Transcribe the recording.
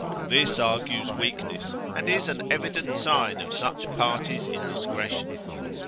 This argues weakness, and is an evident sign of such parties' indiscretion.